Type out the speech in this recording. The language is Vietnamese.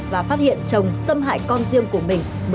và phát hiện chồng xâm hại con riêng của mình